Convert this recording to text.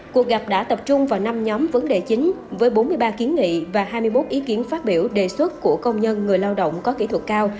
cuộc gặp đã tập trung vào năm nhóm vấn đề chính với bốn mươi ba kiến nghị và hai mươi một ý kiến phát biểu đề xuất của công nhân người lao động có kỹ thuật cao